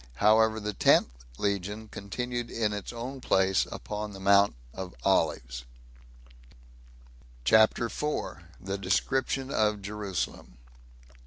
However, the tenth legion continued in its own place, upon the Mount of Olives. CHAPTER 4. The Description Of Jerusalem.